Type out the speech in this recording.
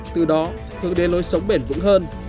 từ đó thường đến lối sống bền vững hơn